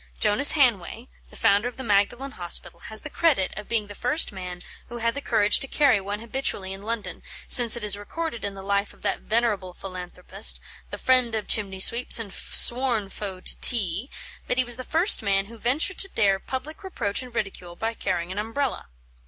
Jonas Hanway, the founder of the Magdalen Hospital, has the credit of being the first man who had the courage to carry one habitually in London, since it is recorded in the life of that venerable philanthropist, the friend of chimney sweeps and sworn foe to tea, that he was the first man who ventured to dare public reproach and ridicule by carrying an Umbrella.